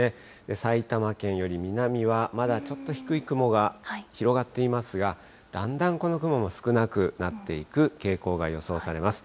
埼玉県より南はまだちょっと低い雲が広がっていますが、だんだんこの雲も少なくなっていく傾向が予想されます。